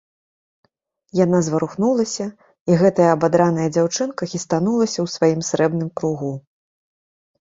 Яна зварухнулася, і гэтая абадраная дзяўчына хістанулася ў сваім срэбным кругу.